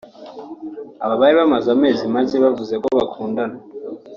Aba bari bamaze amezi make bavuze ko bakundana